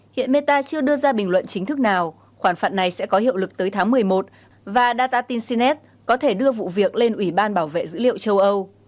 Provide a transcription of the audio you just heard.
hiện meta chưa đưa ra bình luận chính thức nào khoản phạt này sẽ có hiệu lực tới tháng một mươi một và data tinsinet có thể đưa vụ việc lên ủy ban bảo vệ dữ liệu châu âu